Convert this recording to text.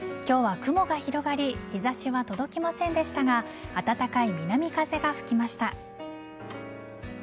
今日は雲が広がり日差しは届きませんでしたが暖かい南風が吹きました。